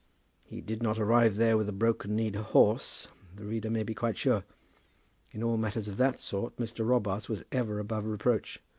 That he did not arrive there with a broken knee'd horse, the reader may be quite sure. In all matters of that sort, Mr. Robarts was ever above reproach.